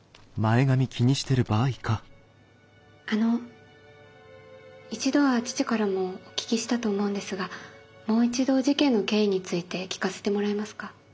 あの一度は父からもお聞きしたと思うんですがもう一度事件の経緯について聞かせてもらえますか？